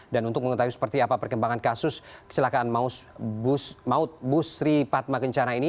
dan untuk mengetahui seperti apa perkembangan kasus kecelakaan maut busri padma kencana ini